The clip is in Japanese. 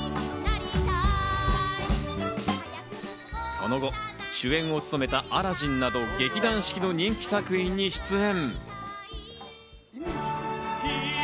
その後、主演を務めた『アラジン』など劇団四季の人気作品に出演。